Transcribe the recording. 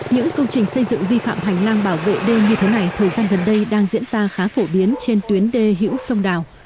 những công trình xây dựng vi phạm hành lang bảo vệ đê như thế này thời gian gần đây đang diễn ra khá phổ biến trên tuyến đê hữu sông đào